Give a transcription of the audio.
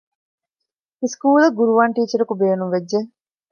މިސުކޫލަށް ޤުރުޢާން ޓީޗަރަކު ބޭނުންވެއްޖެ